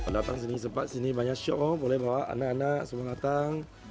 datang sini sempat sini banyak show boleh bawa anak anak semua datang